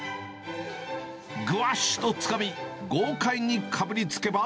ぐわしとつかみ、豪快にかぶりつけば。